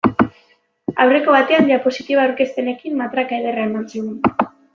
Aurreko batean diapositiba aurkezpenekin matraka ederra eman zigun.